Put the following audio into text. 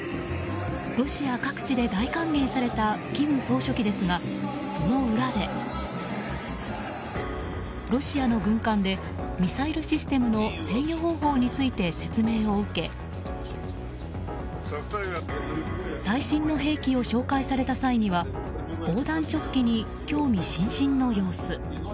ロシア各地で大歓迎された金総書記ですが、その裏で。ロシアの軍艦でミサイルシステムの制御方法について説明を受け最新の兵器を紹介された際には防弾チョッキに興味津々の様子。